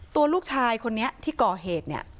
ตัวลูกชายคนนี้ที่ก่อเหตุ